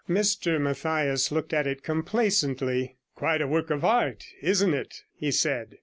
Mr Mathias looked at it complacently. 'Quite a work of art, isn't it?' he said.